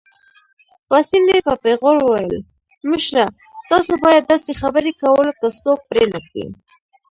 پاسیني په پېغور وویل: مشره، تاسو باید داسې خبرې کولو ته څوک پرېنږدئ.